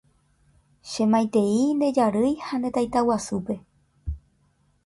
Che maitei nde jarýi ha nde taitaguasúpe.